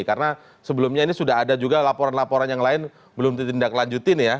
karena sebelumnya ini sudah ada juga laporan laporan yang lain belum ditindaklanjuti nih ya